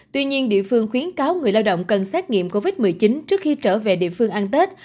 tuy nhiên địa phương khuyến cáo người lao động cần xét nghiệm covid một mươi chín trước khi trở về địa phương ăn tết